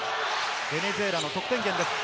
ベネズエラの得点源です。